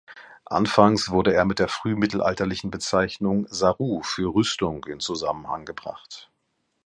Anfangs wurde er mit der frühmittelalterlichen Bezeichnung "saru" für Rüstung in Zusammenhang gebracht.